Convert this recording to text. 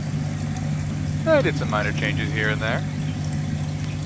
I did some minor changes here and there'.